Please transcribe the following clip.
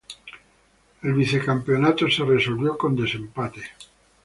El vicecampeonato se resolvió con desempate.